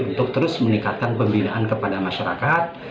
untuk terus meningkatkan pembinaan kepada masyarakat